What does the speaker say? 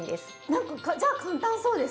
何かじゃあ簡単そうです